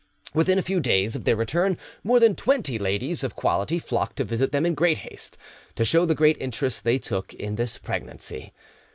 Within a few days of their return, more than twenty ladies of quality flocked to visit them in great haste, to show the great interest they took in this pregnancy.